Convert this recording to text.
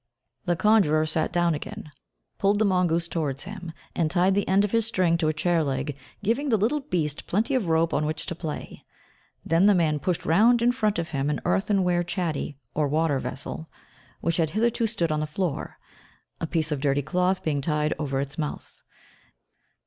The conjurer sat down again, pulled the mongoose towards him, and tied the end of his string to a chair leg, giving the little beast plenty of rope on which to play. Then the man pushed round in front of him an earthenware chatty or water vessel, which had hitherto stood on the floor, a piece of dirty cloth being tied over its mouth.